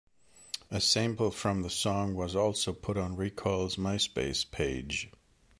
A sample from the song was also put on Recoil's MySpace page.